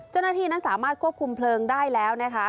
เจ้าหน้าที่นั้นสามารถควบคุมเพลิงได้แล้วนะคะ